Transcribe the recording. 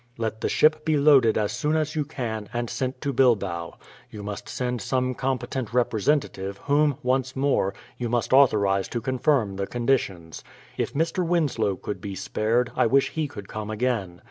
Let the ship be loaded as soon as you can, and sent to Bilbao. You must send some competent representative, whom, once more, you must authorize to confirm the conditions. If Mr. Winslow could be spared, I wish he could come again.